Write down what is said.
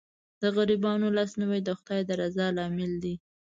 د غریبانو لاسنیوی د خدای د رضا لامل دی.